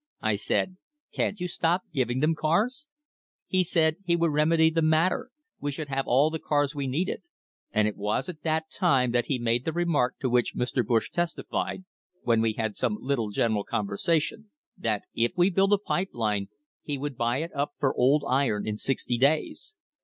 I said, 'Can', you stop gmng them cars! He sa d h would remedy the matter, we should have all the cats we needed; and ,t was a, that rime that he made the remark to which Mr. Bush testified, when we had some We gTera. conversation, tha, if we built a pipe line he would buy ,, up or old ,ron ,n sL days.